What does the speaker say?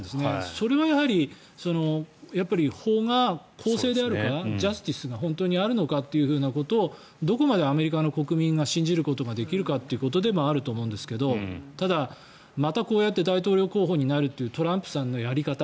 それは、やはり法が公正であるかジャスティスが本当にあるのかっていうことをどこまでアメリカの国民が信じることができるかということでもあると思うんですがただ、またこうやって大統領候補になるというトランプさんのやり方